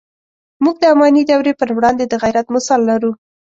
موږ د اماني دورې پر وړاندې د غیرت مثال لرو.